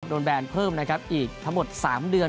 แบนเพิ่มนะครับอีกทั้งหมด๓เดือน